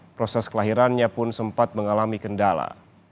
proses kelahirannya pun sempat mengalami kendala